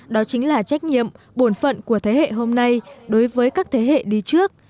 đó chính là trách nhiệm bổn phận của thế hệ hôm nay đối với các thế hệ đi trước